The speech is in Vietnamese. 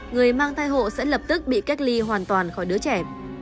người mang thai hộ sẽ lập tức bị cách ly hoàn toàn khỏi đứa trẻ